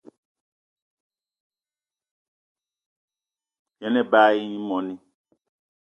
Yen ebag í moní